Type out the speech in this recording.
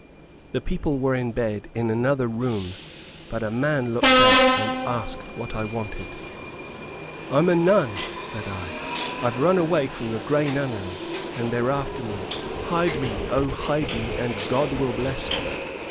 The people were in bed, in another room, but a man looked out, and asked what I wanted. "I'm a nun," said I. "I've run away from the Grey Nunnery, and they're after me. Hide me, O hide me, and God will bless you!"